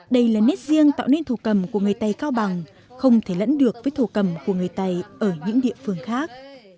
đây là nét riêng tạo nên thổ cầm của người tây cao bằng không thể lẫn được với thổ cầm của người tày ở những địa phương khác